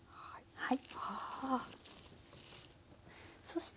はい。